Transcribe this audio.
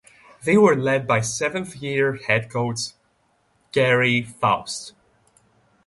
They were led by seventh–year head coach Gerry Faust.